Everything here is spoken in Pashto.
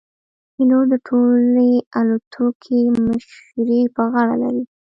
پیلوټ د ټولې الوتکې مشري پر غاړه لري.